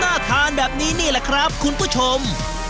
ทานแบบนี้นี่แหละครับคุณผู้ชม